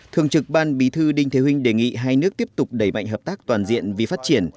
thường trực ban bí thư đinh thế hưng đề nghị hai nước tiếp tục đẩy mạnh hợp tác toàn diện vì phát triển